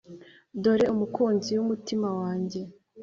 Dore umukunzi wumutima wanjye